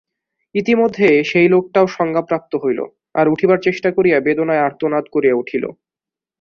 ইতিমধ্যে সেই লোকটাও সংজ্ঞাপ্রাপ্ত হইল, আর উঠিবার চেষ্টা করিয়া বেদনায় আর্তনাদ করিয়া উঠিল।